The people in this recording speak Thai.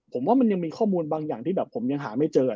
ผมว่ามันยังมีข้อมูลบางอย่างที่แบบผมยังหาไม่เจอ